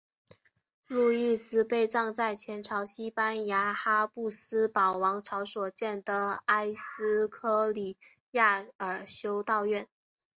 路易斯被葬在前朝西班牙哈布斯堡王朝所建的埃斯科里亚尔修道院。